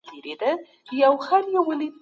د عزت ماتول د ټولني یووالی کموي.